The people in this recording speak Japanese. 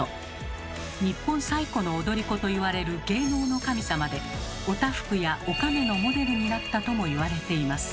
日本最古の踊り子といわれる芸能の神様でお多福やおかめのモデルになったともいわれています。